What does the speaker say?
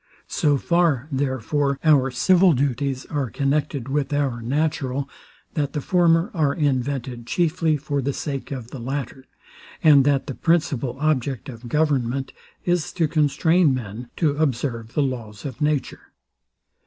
So far, therefore, our civil duties are connected with our natural, that the former are invented chiefly for the sake of the latter; and that the principal object of government is to constrain men to observe the laws of nature.